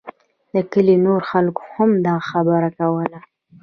د کلي نورو خلکو هم دغه خبره کوله.